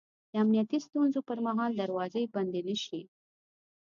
د امنیتي ستونزو پر مهال دروازې بندې نه شي